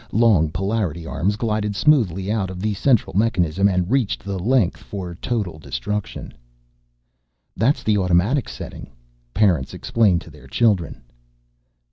Long polarity arms glided smoothly out of the central mechanism and reached the length for Total Destruction. "That's the automatic setting," parents explained to their children.